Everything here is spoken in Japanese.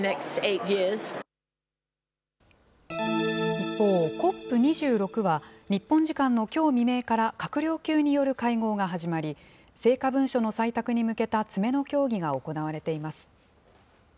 一方、ＣＯＰ２６は日本時間のきょう未明から、閣僚級による会合が始まり、成果文書の採択に向けた詰めの協議が行われています。